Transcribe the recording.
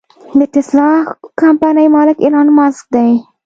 د ټسلا کمپنۍ مالک ايلام مسک دې.